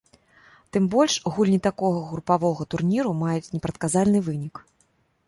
Тым больш гульні такога групавога турніру маюць непрадказальны вынік.